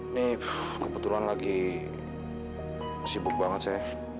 ini kebetulan lagi sibuk banget sih